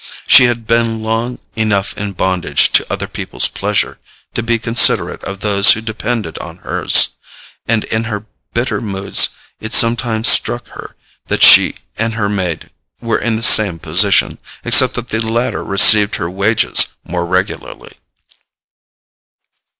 She had been long enough in bondage to other people's pleasure to be considerate of those who depended on hers, and in her bitter moods it sometimes struck her that she and her maid were in the same position, except that the latter received her wages more regularly.